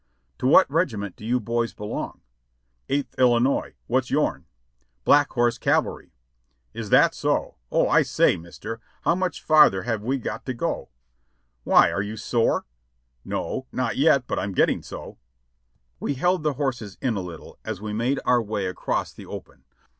"To what regiment do you boys belong?" "Eighth Illinois; what's yourn?" "Black Horse Cavalry." "Is that so ! O, I say. Mister, how much further have we got to go?" "Why, are you sore?" "No, not yet, but I'm getting so." We held the horses in a little, as w^e made our way across the open.